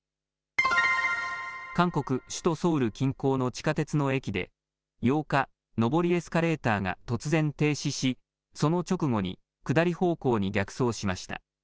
韓国、首都ソウル近郊の地下鉄の駅で、８日、上りエスカレーターが突然停止し、その直後に下り方向に逆走しました。